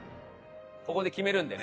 ここで決めるんでね。